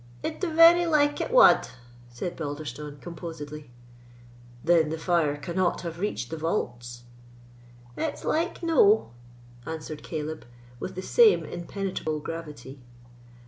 "It've very like it wad," said Balderstone, composedly. "Then the fire cannot have reached the vaults?" "It's like no," answered Caleb, with the same impenetrable gravity.